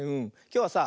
きょうはさ